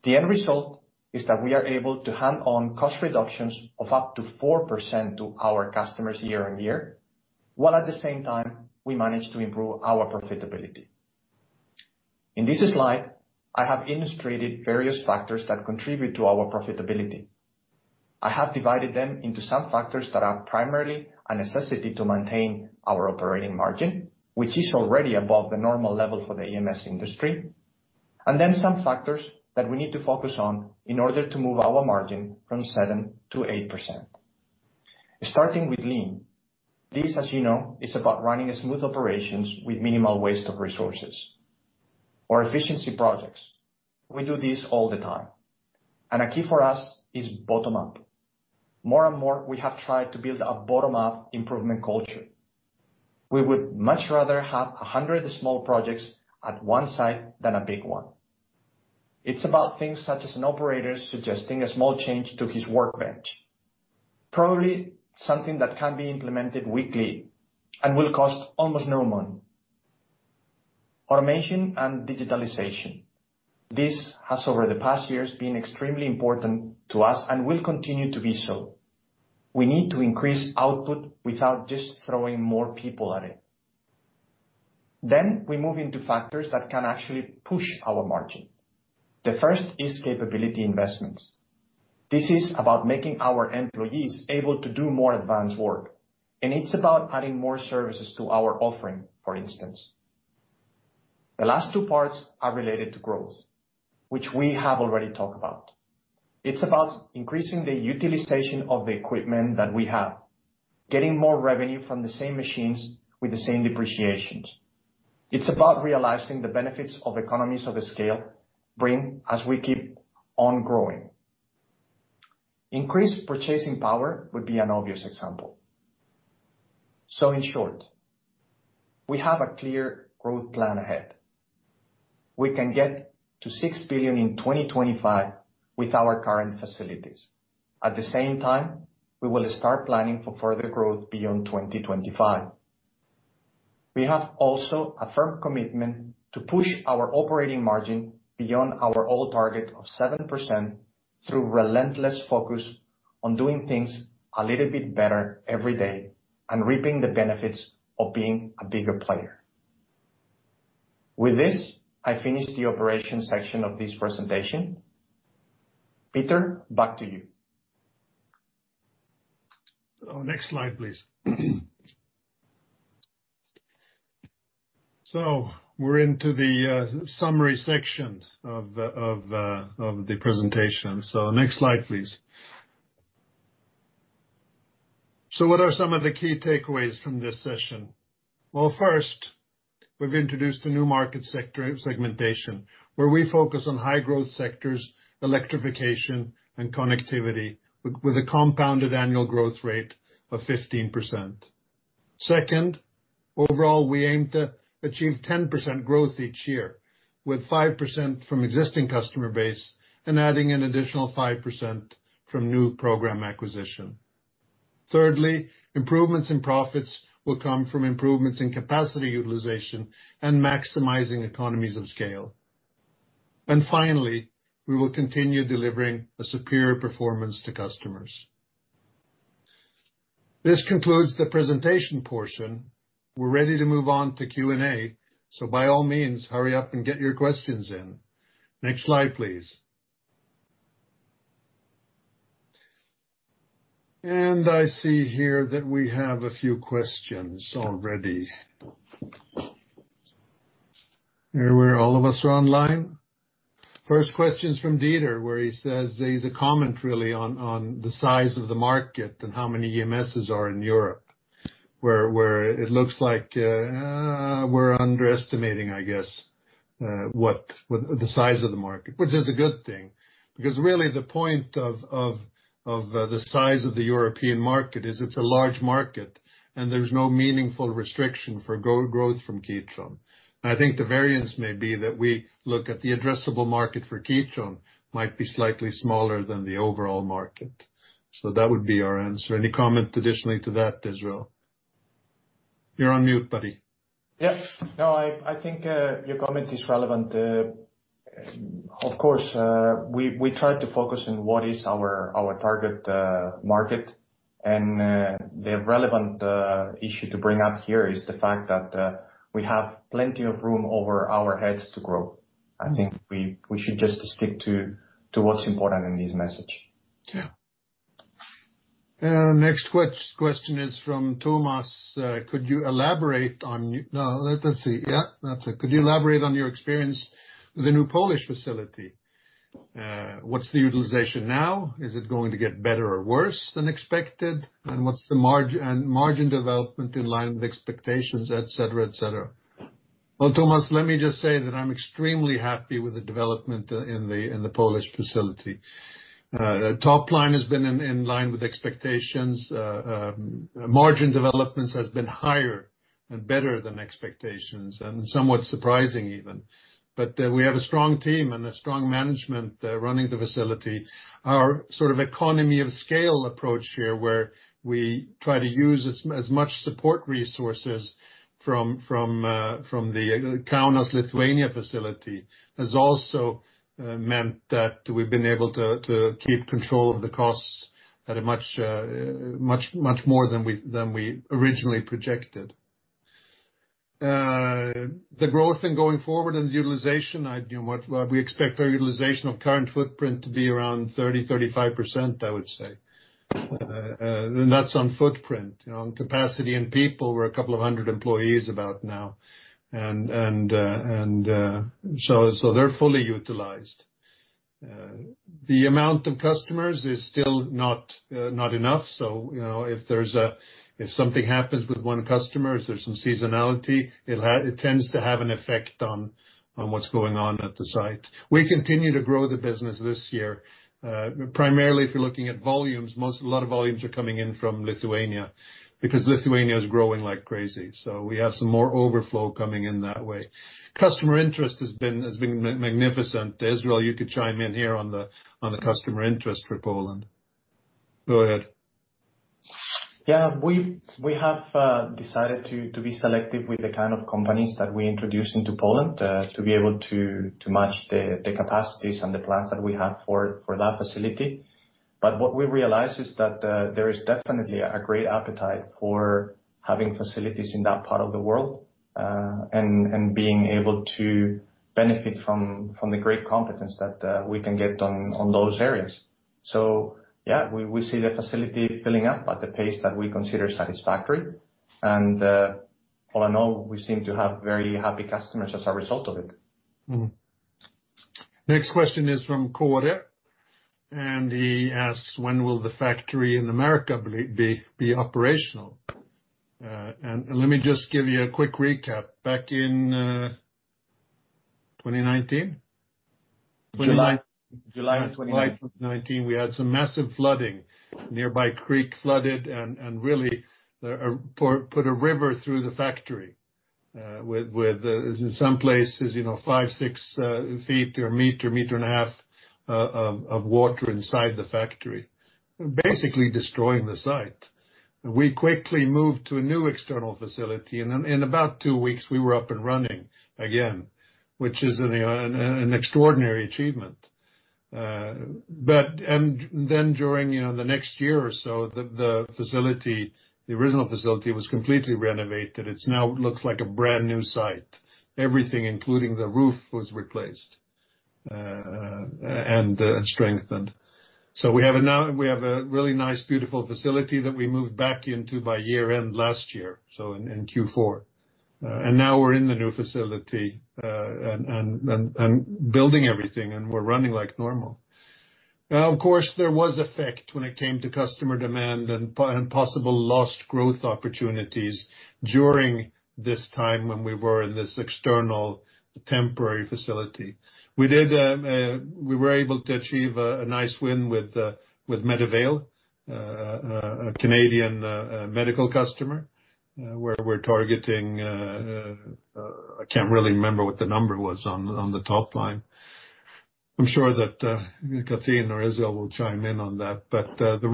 The end result is that we are able to hand on cost reductions of up to 4% to our customers year-on-year, while at the same time, we manage to improve our profitability. In this slide, I have illustrated various factors that contribute to our profitability. I have divided them into some factors that are primarily a necessity to maintain our operating margin, which is already above the normal level for the EMS industry, and then some factors that we need to focus on in order to move our margin from 7%-8%. Starting with lean. This, as you know, is about running smooth operations with minimal waste of resources or efficiency projects. We do this all the time. A key for us is bottom-up. More and more, we have tried to build a bottom-up improvement culture. We would much rather have 100 small projects at one site than a big one. It's about things such as an operator suggesting a small change to his workbench. Probably something that can be implemented weekly and will cost almost no money. Automation and digitalization. This has, over the past years, been extremely important to us and will continue to be so. We need to increase output without just throwing more people at it. We move into factors that can actually push our margin. The first is capability investments. This is about making our employees able to do more advanced work, and it's about adding more services to our offering, for instance. The last two parts are related to growth, which we have already talked about. It's about increasing the utilization of the equipment that we have, getting more revenue from the same machines with the same depreciations. It's about realizing the benefits of economies of scale bring as we keep on growing. Increased purchasing power would be an obvious example. In short, we have a clear growth plan ahead. We can get to 6 billion in 2025 with our current facilities. At the same time, we will start planning for further growth beyond 2025. We have also a firm commitment to push our operating margin beyond our old target of 7% through relentless focus on doing things a little bit better every day and reaping the benefits of being a bigger player. With this, I finish the operation section of this presentation. Peter, back to you. Next slide, please. We're into the summary section of the presentation. Next slide, please. What are some of the key takeaways from this session? Well, first, we've introduced a new market segmentation, where we focus on high growth sectors, electrification and connectivity, with a compounded annual growth rate of 15%. Second, overall, we aim to achieve 10% growth each year, with 5% from existing customer base and adding an additional 5% from new program acquisition. Thirdly, improvements in profits will come from improvements in capacity utilization and maximizing economies of scale. Finally, we will continue delivering a superior performance to customers. This concludes the presentation portion. We're ready to move on to Q&A, so by all means, hurry up and get your questions in. Next slide, please. I see here that we have a few questions already. Are all of us online? First question is from Dieter, where he says there's a comment really on the size of the market and how many EMSs are in Europe, where it looks like, we're underestimating, I guess, the size of the market, which is a good thing, because really the point of the size of the European market is it's a large market and there's no meaningful restriction for growth from Kitron. I think the variance may be that we look at the addressable market for Kitron might be slightly smaller than the overall market. That would be our answer. Any comment additionally to that, Israel? You're on mute, buddy. Yeah. No, I think your comment is relevant. Of course, we try to focus on what is our target market. The relevant issue to bring up here is the fact that we have plenty of room over our heads to grow. I think we should just stick to what's important in this message. Yeah. Next question is from Thomas. Could you elaborate on your experience with the new Polish facility? What's the utilization now? Is it going to get better or worse than expected? What's the margin development in line with expectations, et cetera. Well, Thomas, let me just say that I'm extremely happy with the development in the Polish facility. Top line has been in line with expectations. Margin developments has been higher and better than expectations, somewhat surprising even. We have a strong team and a strong management running the facility. Our economy of scale approach here, where we try to use as much support resources from the Kaunas Lithuania facility, has also meant that we've been able to keep control of the costs at a much more than we originally projected. The growth going forward and the utilization, we expect our utilization of current footprint to be around 30%-35%, I would say. That's on footprint. On capacity and people, we're a couple of hundred employees about now. They're fully utilized. The amount of customers is still not enough, if something happens with one customer, if there's some seasonality, it tends to have an effect on what's going on at the site. We continue to grow the business this year. Primarily if you're looking at volumes, a lot of volumes are coming in from Lithuania, because Lithuania is growing like crazy. We have some more overflow coming in that way. Customer interest has been magnificent. Israel, you could chime in here on the customer interest for Poland. Go ahead. Yeah. We have decided to be selective with the kind of companies that we introduce into Poland, to be able to match the capacities and the plans that we have for that facility. What we realized is that there is definitely a great appetite for having facilities in that part of the world, and being able to benefit from the great competence that we can get on those areas. Yeah, we see the facility filling up at the pace that we consider satisfactory, and for now we seem to have very happy customers as a result of it. Mm-hmm. Next question is from Christer, and he asks, "When will the factory in America be operational?" Let me just give you a quick recap. Back in 2019? July of 2019. July of 2019, we had some massive flooding. A nearby creek flooded and really, put a river through the factory, with in some places, 5 ft, 6 ft or 1.5 m of water inside the factory. Basically destroying the site. We quickly moved to a new external facility, and in about two weeks we were up and running again, which is an extraordinary achievement. During the next year or so, the original facility was completely renovated. It now looks like a brand new site. Everything including the roof was replaced, and strengthened. We have a really nice beautiful facility that we moved back into by year end last year, so in Q4. Now we're in the new facility, and building everything, and we're running like normal. Now, of course, there was effect when it came to customer demand and possible lost growth opportunities during this time when we were in this external temporary facility. We were able to achieve a nice win with MedAvail, a Canadian medical customer, where we're targeting, I can't really remember what the number was on the top line. I'm sure that Cathrin or Israel will chime in on that. The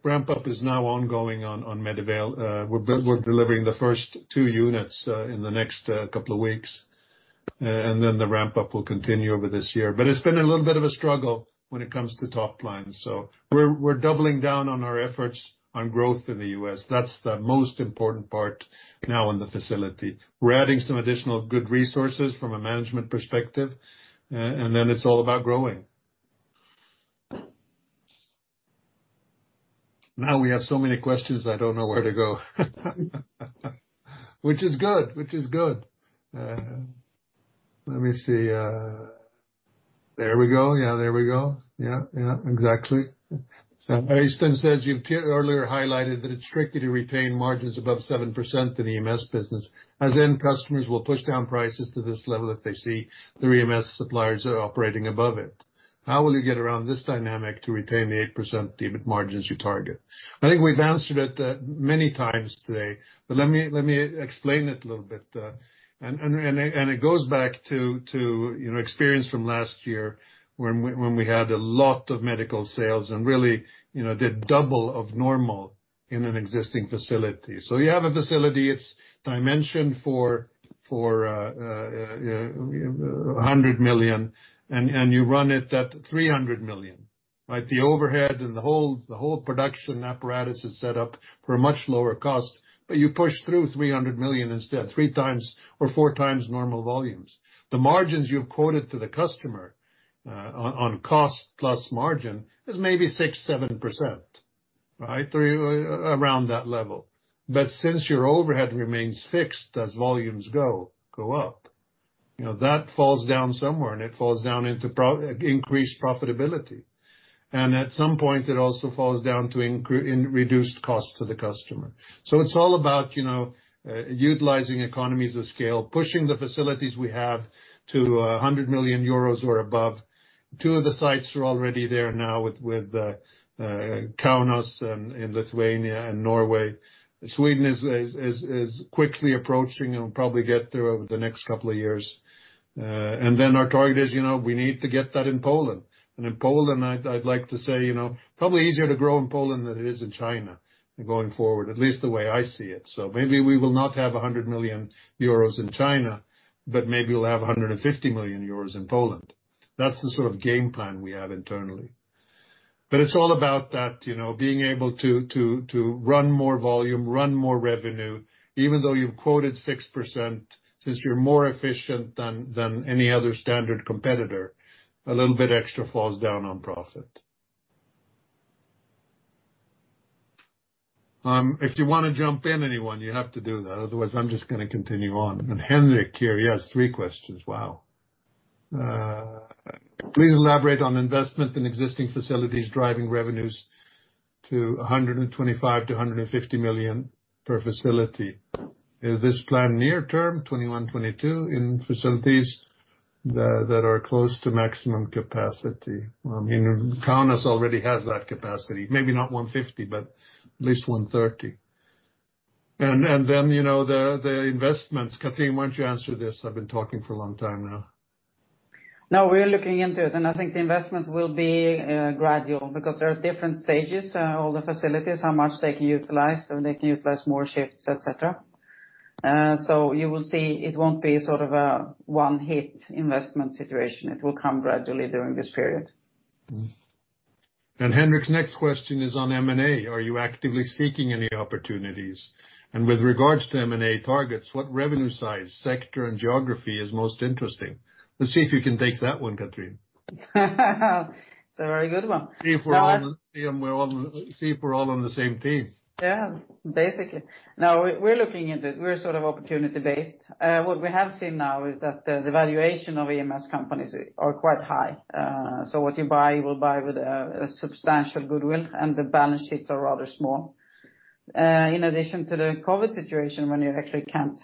ramp up is now ongoing on MedAvail. We're delivering the first two units, in the next couple of weeks. Then the ramp up will continue over this year. It's been a little bit of a struggle when it comes to top line. We're doubling down on our efforts on growth in the U.S. That's the most important part now in the facility. We're adding some additional good resources from a management perspective, and then it's all about growing. Now we have so many questions, I don't know where to go. Which is good. Let me see. There we go. Yeah, exactly. As Joakim says, "You've earlier highlighted that it's tricky to retain margins above 7% in the EMS business, as then customers will push down prices to this level if they see the EMS suppliers are operating above it. How will you get around this dynamic to retain the 8% EBIT margins you target?" I think we've answered it many times today, but let me explain it a little bit. It goes back to experience from last year, when we had a lot of medical sales and really did double of normal in an existing facility. You have a facility, it's dimensioned for 100 million, and you run it at 300 million. The overhead and the whole production apparatus is set up for a much lower cost, but you push through 300 million instead, 3x or 4x normal volumes. The margins you've quoted to the customer, on cost plus margin, is maybe 6%, 7%. Right. Around that level. Since your overhead remains fixed as volumes go up, that falls down somewhere, and it falls down into increased profitability. At some point, it also falls down to reduced cost to the customer. It's all about utilizing economies of scale, pushing the facilities we have to 100 million euros or above. Two of the sites are already there now with Kaunas in Lithuania and Norway. Sweden is quickly approaching and will probably get there over the next couple of years. Our target is, we need to get that in Poland. In Poland, I'd like to say, probably easier to grow in Poland than it is in China going forward, at least the way I see it. Maybe we will not have 100 million euros in China, but maybe we'll have 150 million euros in Poland. That's the sort of game plan we have internally. It's all about that, being able to run more volume, run more revenue, even though you've quoted 6%, since you're more efficient than any other standard competitor, a little bit extra falls down on profit. If you want to jump in, anyone, you have to do that. Otherwise, I'm just going to continue on. Henrik here, he has three questions. Wow. Please elaborate on investment in existing facilities driving revenues to 125 million-150 million per facility. Is this plan near term 2021, 2022, in facilities that are close to maximum capacity? I mean, Kaunas already has that capacity. Maybe not 150, but at least 130. Then, the investments. Cathrin, why don't you answer this? I've been talking for a long time now. No, we are looking into it, and I think the investments will be gradual because there are different stages, all the facilities, how much they can utilize, how they can utilize more shifts, et cetera. You will see it won't be sort of a one-hit investment situation. It will come gradually during this period. Henrik's next question is on M&A. Are you actively seeking any opportunities? With regards to M&A targets, what revenue size, sector, and geography is most interesting? Let's see if you can take that one, Cathrin. It's a very good one. See if we're all on the same team. Yeah, basically. No, we're looking into it. We're sort of opportunity based. What we have seen now is that the valuation of EMS companies are quite high. What you buy, you will buy with a substantial goodwill, and the balance sheets are rather small. In addition to the COVID situation, when you actually can't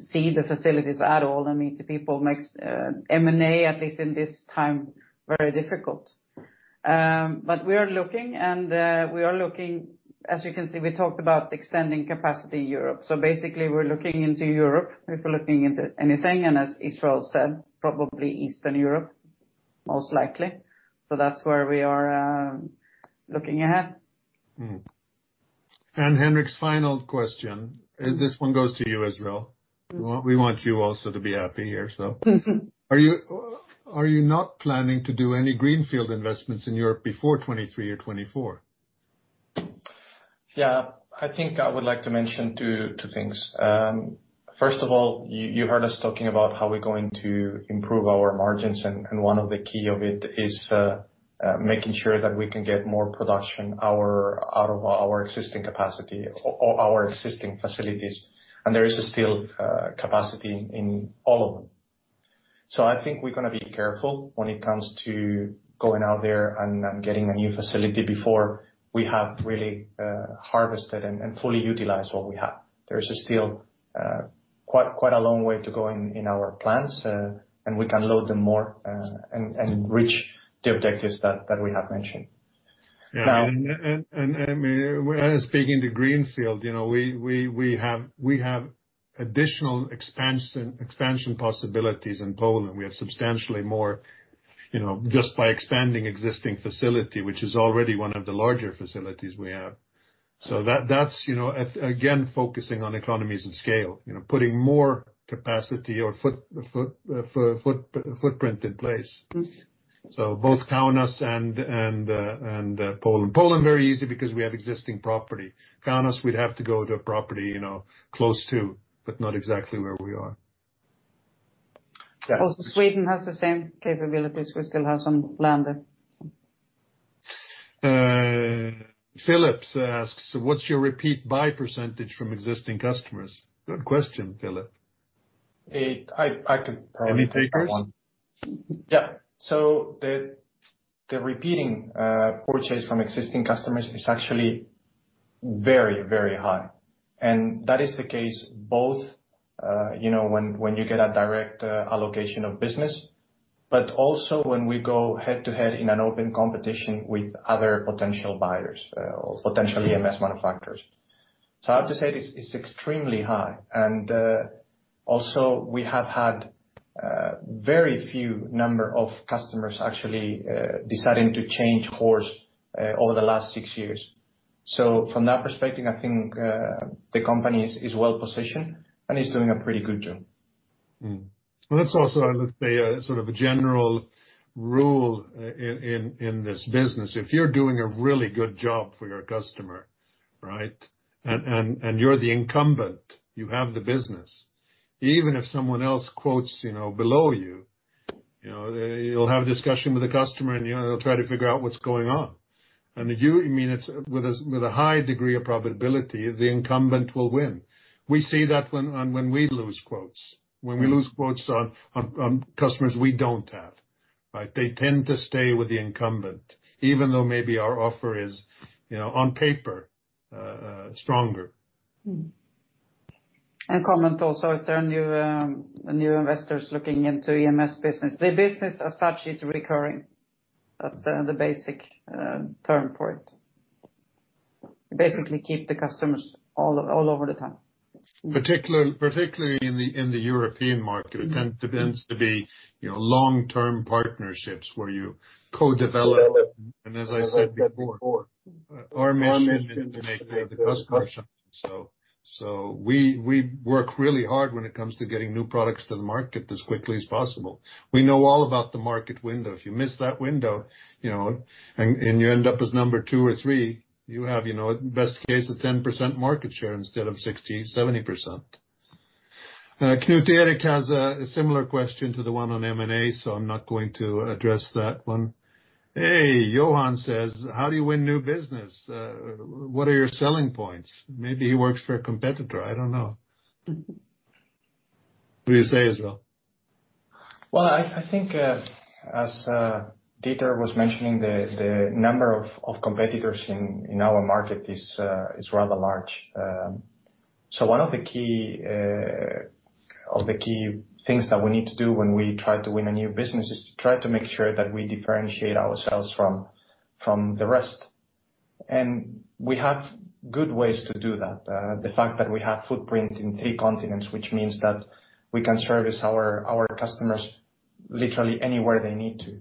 see the facilities at all and meet the people, makes M&A, at least in this time, very difficult. We are looking, as you can see, we talked about extending capacity Europe. Basically, we're looking into Europe. We're looking into anything, and as Israel said, probably Eastern Europe, most likely. That's where we are looking at. Henrik's final question, and this one goes to you, Israel. We want you also to be happy here, so. Are you not planning to do any greenfield investments in Europe before 2023 or 2024? Yeah. I think I would like to mention two things. First of all, you heard us talking about how we're going to improve our margins, and one of the key of it is making sure that we can get more production out of our existing capacity or our existing facilities. There is still capacity in all of them. I think we're going to be careful when it comes to going out there and getting a new facility before we have really harvested and fully utilized what we have. There is still quite a long way to go in our plans, and we can load them more and reach the objectives that we have mentioned. Yeah. Speaking to greenfield, we have additional expansion possibilities in Poland. We have substantially more just by expanding existing facility, which is already one of the larger facilities we have. That's again, focusing on economies and scale, putting more capacity or footprint in place. Both Kaunas and Poland. Poland, very easy because we have existing property. Kaunas, we'd have to go to a property close to, but not exactly where we are. Yeah. Sweden has the same capabilities. We still have some land. Phillip asks, what's your repeat buy percentage from existing customers? Good question, Phillip. I could probably take that one. Any takers? Yeah. The repeating purchase from existing customers is actually very, very high. That is the case both when you get a direct allocation of business, but also when we go head-to-head in an open competition with other potential buyers or potential EMS manufacturers. I have to say, it's extremely high. Also, we have had very few number of customers actually deciding to change course over the last six years. From that perspective, I think the company is well positioned and is doing a pretty good job. Mm-hmm. Well, that's also, let's say, sort of a general rule in this business. If you're doing a really good job for your customer, right, and you're the incumbent, you have the business. Even if someone else quotes below you. You'll have a discussion with the customer, and they'll try to figure out what's going on. With a high degree of profitability, the incumbent will win. We see that when we lose quotes on customers we don't have. They tend to stay with the incumbent, even though maybe our offer is, on paper, stronger. Comment also, if there are new investors looking into EMS business, the business as such is recurring. That's the basic term for it. Basically, keep the customers all over the time. Particularly in the European market, it tends to be long-term partnerships where you co-develop. As I said before, our mission is to make the customer shine. We work really hard when it comes to getting new products to the market as quickly as possible. We know all about the market window. If you miss that window, and you end up as number two or three, you have, best case, a 10% market share instead of 60%, 70%. Knut Erik has a similar question to the one on M&A, so I'm not going to address that one. Hey, Johan says, "How do you win new business? What are your selling points?" Maybe he works for a competitor, I don't know. What do you say, Israel? Well, I think, as Dieter was mentioning, the number of competitors in our market is rather large. One of the key things that we need to do when we try to win a new business is to try to make sure that we differentiate ourselves from the rest. We have good ways to do that. The fact that we have footprint in three continents, which means that we can service our customers literally anywhere they need to.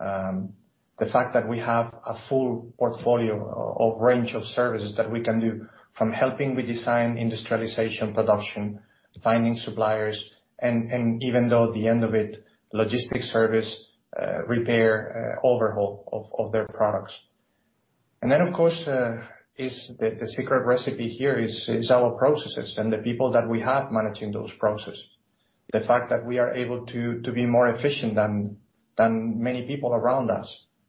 The fact that we have a full portfolio or range of services that we can do, from helping with design, industrialization, production, finding suppliers, and even though the end of it, logistics service, repair, overhaul of their products. Then, of course, the secret recipe here is our processes and the people that we have managing those processes. The fact that we are able to be more efficient than many people around us,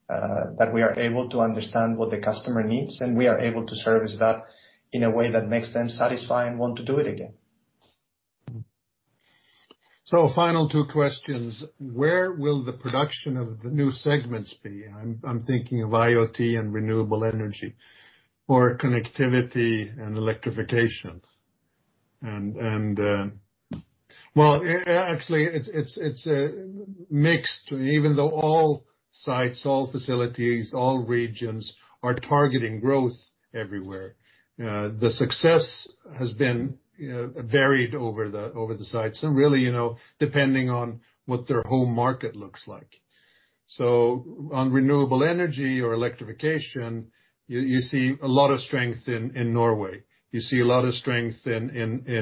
that we are able to understand what the customer needs, and we are able to service that in a way that makes them satisfied and want to do it again. Final two questions. Where will the production of the new segments be? I'm thinking of IoT and renewable energy or connectivity and electrification. Well, actually, it's mixed. Even though all sites, all facilities, all regions are targeting growth everywhere. The success has been varied over the sites and really, depending on what their home market looks like. On renewable energy or electrification, you see a lot of strength in Norway. You see a lot of strength in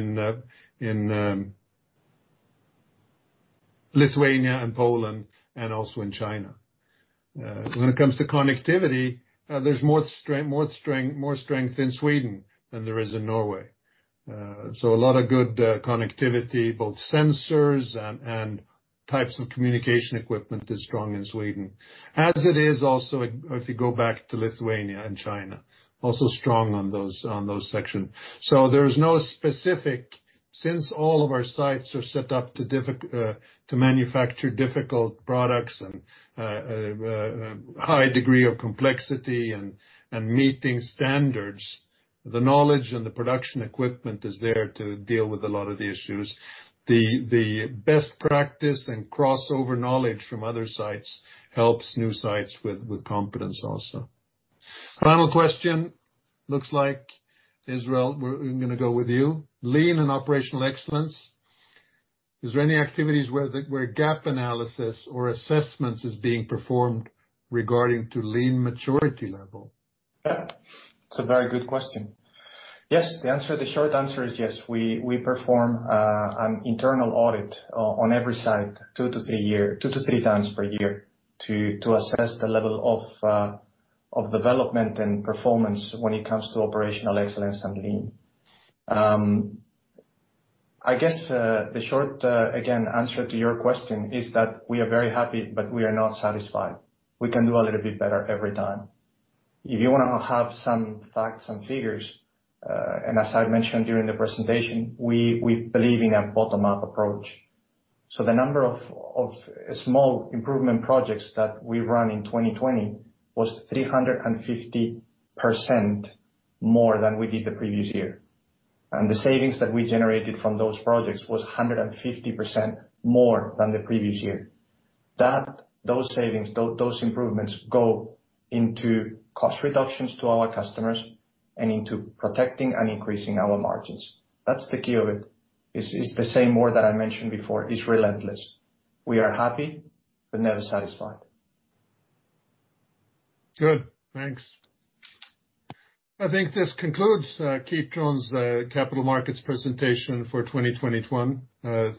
Lithuania and Poland and also in China. When it comes to connectivity, there's more strength in Sweden than there is in Norway. A lot of good connectivity, both sensors and types of communication equipment is strong in Sweden, as it is also if you go back to Lithuania and China, also strong on those section. There is no specific, since all of our sites are set up to manufacture difficult products and high degree of complexity and meeting standards, the knowledge and the production equipment is there to deal with a lot of the issues. The best practice and crossover knowledge from other sites helps new sites with competence also. Final question. Looks like Israel, we're going to go with you. Lean and operational excellence. Is there any activities where gap analysis or assessments is being performed regarding to lean maturity level? Yeah, it's a very good question. Yes, the short answer is yes, we perform an internal audit on every site 2x-3x per year to assess the level of development and performance when it comes to operational excellence and lean. I guess the short, again, answer to your question is that we are very happy, but we are not satisfied. We can do a little bit better every time. If you want to have some facts and figures, as I mentioned during the presentation, we believe in a bottom-up approach. The number of small improvement projects that we run in 2020 was 350% more than we did the previous year. The savings that we generated from those projects was 150% more than the previous year. Those savings, those improvements go into cost reductions to our customers and into protecting and increasing our margins. That's the key of it, is the same word that I mentioned before, is relentless. We are happy but never satisfied. Good. Thanks. I think this concludes Kitron's Capital Markets presentation for 2021.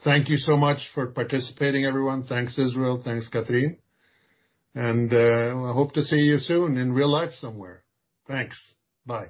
Thank you so much for participating, everyone. Thanks, Israel. Thanks, Cathrin. I hope to see you soon in real life somewhere. Thanks. Bye.